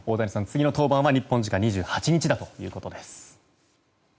次の登板は日本時間２８日だということです。